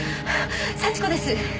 幸子です！